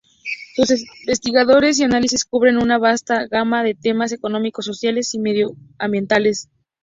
Sus investigaciones y análisis cubren una vasta gama de temas económicos, sociales y medioambientales.